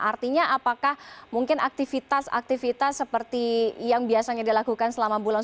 artinya apakah mungkin aktivitas aktivitas seperti yang biasanya dilakukan selama bulan